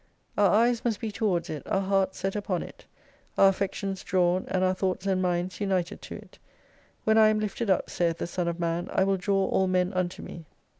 Our eyes must be towards it, our hearts set upon it, our affections drawn, and our thoughts and minds united to it. "When I am lifted up, saith the Son of Man, I will draw all men unto me.